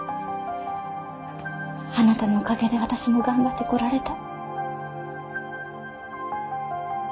あなたのおかげで私も頑張ってこられた。